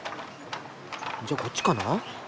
じゃあこっちかな？